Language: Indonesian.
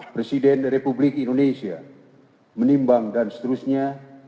presiden republik indonesia menimbang dan seterusnya